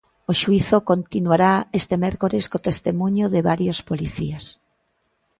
O xuízo continuará este mércores co testemuño de varios policías.